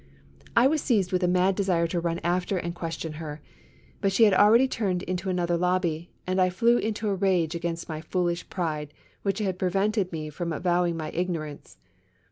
I was seized with a mad desire to run after and ques tion her. But slie had already turned into another lobby, and I flew into a rage against my foolish pride, which had prevented me from avowing my ignorance.